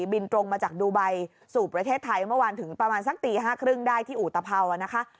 บินตรงมาจากดูไบสู่ประเทศไทยเมื่อวานถึงประมาณสักตี๕๓๐ได้ที่อุตภาวนะคะ